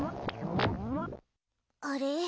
あれ？